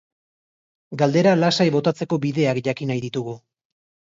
Galdera lasai botatzeko bideak jakin nahi ditugu.